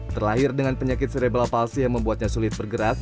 terlahir dengan penyakit serebel palsi yang membuatnya sulit bergerak